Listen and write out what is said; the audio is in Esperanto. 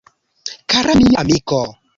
Kara mia amiko!